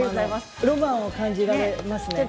ロマンを感じられますね。